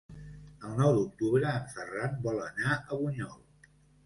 El nou d'octubre en Ferran vol anar a Bunyol.